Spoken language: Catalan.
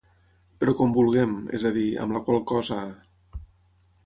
Però com vulguem, és a dir, amb la qual cosa ….